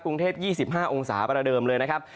กรุงเทพ๒๕องศาประเดิมเลยนะครับ